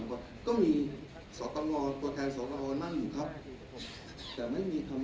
ผมขอปรับศาสตร์ทีมงานของผมก่อนนะครับผมไม่มีข้อสรุปไปขนาดนี้แต่ผมขอความเป็นธรรมจากสื่อบนชนเพราะนั้นเองครับที่นี้ครับ